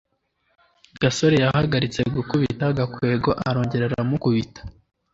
gasore yahagaritse gukubita gakwego arongera aramukubita